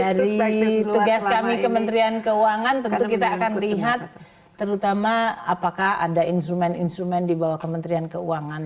dari tugas kami kementerian keuangan tentu kita akan lihat terutama apakah ada instrumen instrumen di bawah kementerian keuangan